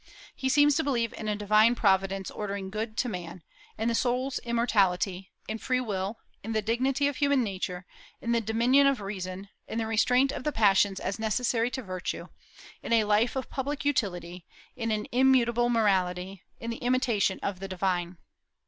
He seems to believe in a divine providence ordering good to man, in the soul's immortality, in free will, in the dignity of human nature, in the dominion of reason, in the restraint of the passions as necessary to virtue, in a life of public utility, in an immutable morality, in the imitation of the divine.